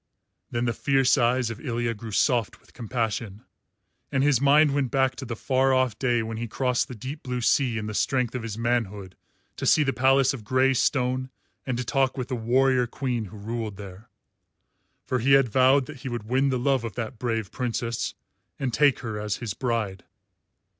Then the fierce eyes of Ilya grew soft with compassion, and his mind went back to the far off day when he crossed the deep blue sea in the strength of his manhood to see the palace of grey stone and to talk with the warrior queen who ruled there; for he had vowed that he would win the love of that brave Princess and take her as his bride.